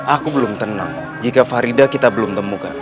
aku belum tenang jika farida kita belum temukan